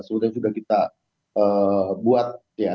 sebenarnya sudah kita buat ya